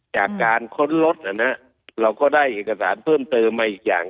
จากการค้นรถเราก็ได้เอกสารเพิ่มเติมมาอีกอย่าง